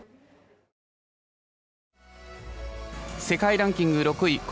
世界ランキング６位。